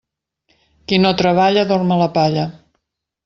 Qui no treballa, dorm a la palla.